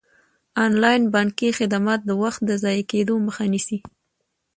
انلاین بانکي خدمات د وخت د ضایع کیدو مخه نیسي.